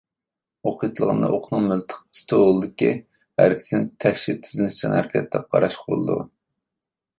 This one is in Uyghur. ئوق ئېتىلغاندا، ئوقنىڭ مىلتىق ئىستوۋۇلىدىكى ھەرىكىتىنى تەكشى تېزلىنىشچان ھەرىكەت دەپ قاراشقا بولىدۇ.